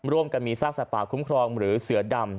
ร่วมกันมีซากสัตว์ป่าคุ้มครองหรือเสือดำ